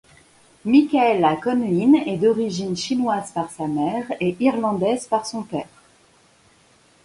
Michaela Conlin est d'origine chinoise par sa mère et irlandaise par son père.